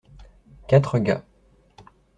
Quatre gars.